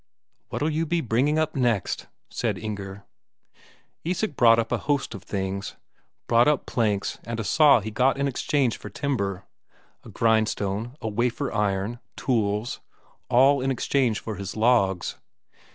"What'll you be bringing up next?" said Inger. Isak brought up a host of things. Brought up planks and a saw he had got in exchange for timber; a grindstone, a wafer iron, tools all in exchange for his logs.